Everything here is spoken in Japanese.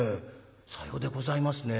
「さようでございますね。